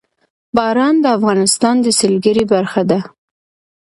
باران د افغانستان د سیلګرۍ برخه ده.